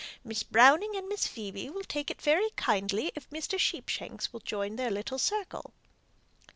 Miss Browning and Miss Phoebe will take it very kindly if Mr. Sheepshanks will join their little circle."